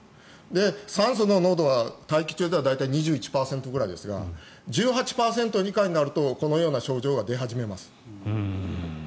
酸素の濃度は大気中では大体２１％ぐらいですが１８％以下になるとこのような症状が出始めます。